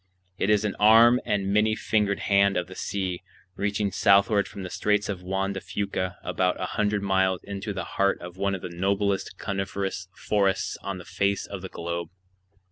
It is an arm and many fingered hand of the sea, reaching southward from the Straits of Juan de Fuca about a hundred miles into the heart of one of the noblest coniferous forests on the face of the globe.